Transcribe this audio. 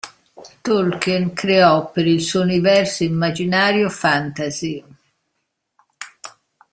Tolkien creò per il suo universo immaginario fantasy.